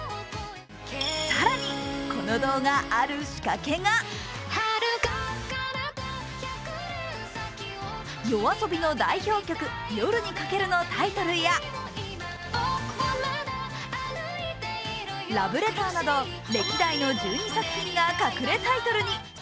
更にこの動画、ある仕掛けがＹＯＡＳＯＢＩの代表曲「夜に駆ける」のタイトルや、「ラブレター」など歴代の１２作品が隠れタイトルに。